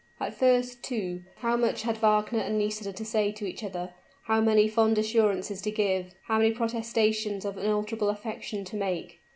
At first, too, how much had Wagner and Nisida to say to each other, how many fond assurances to give how many protestations of unalterable affection to make!